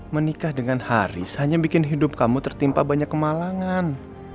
menikah dengan haris hanya bikin hidup kamu tertimpa banyak kemalangan